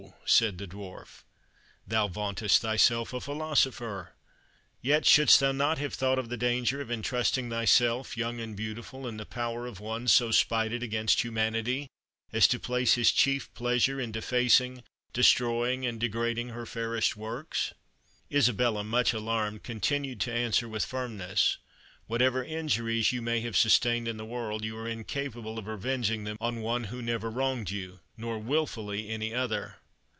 said the Dwarf, "thou vauntest thyself a philosopher? Yet, shouldst thou not have thought of the danger of intrusting thyself, young and beautiful, in the power of one so spited against humanity, as to place his chief pleasure in defacing, destroying, and degrading her fairest works?" Isabella, much alarmed, continued to answer with firmness, "Whatever injuries you may have sustained in the world, you are incapable of revenging them on one who never wronged you, nor, wilfully, any other."